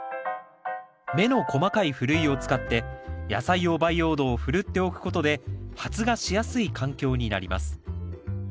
目の細かいふるいを使って野菜用培養土をふるっておくことで発芽しやすい環境になります。